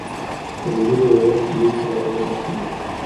پريګلې ويل چې مينې ته د غوايي غوښه مه ورکوئ